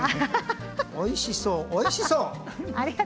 おいしそう、おいしそう。